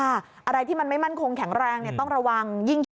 อะไรที่มันไม่มั่นคงแข็งแรงต้องระวังยิ่งคิด